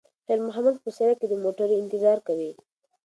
خیر محمد په سړک کې د موټرو انتظار کوي.